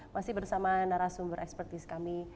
masih bersama narasumber ekspertis kami